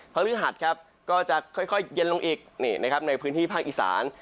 ฤหัสครับก็จะค่อยเย็นลงอีกในพื้นที่ภาคอีสาน